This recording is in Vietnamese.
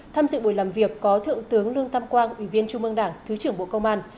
tham dự buổi làm việc có thượng tướng lương tam quang ủy viên trung mương đảng thứ trưởng bộ công an